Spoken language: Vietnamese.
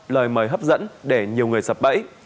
lời mời hấp dẫn để nhiều người sập bẫy